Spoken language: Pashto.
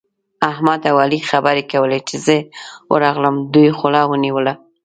احمد او علي خبرې کولې؛ چې زه ورغلم، دوی خوله ونيوله.